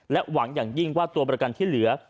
หวังอย่างยิ่งว่าตัวประกันที่เหลือ